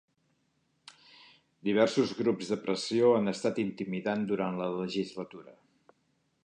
Diversos grups de pressió han estat intimidant durant la legislatura